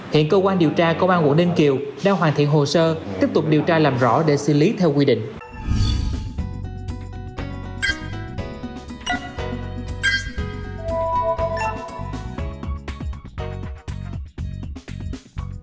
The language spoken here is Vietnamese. hiện cơ quan điều tra công an quận ninh kiều đang hoàn thiện hồ sơ tiếp tục điều tra làm rõ để xử lý theo quy định